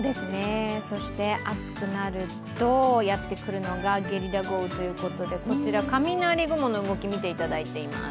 そして暑くなるとやってくるのがゲリラ豪雨ということでこちら雷雲の動き、見ていただいています